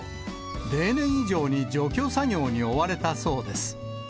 例年以上に除去作業に追われたそうです。